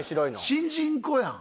新人の子やん。